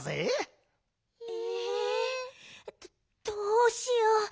どどうしよう？